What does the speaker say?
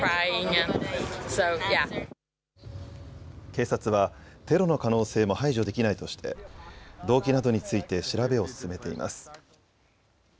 警察はテロの可能性も排除できないとして動機などについて調べを進めています。